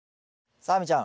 さあ亜美ちゃん